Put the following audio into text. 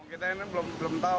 kita ini belum tahu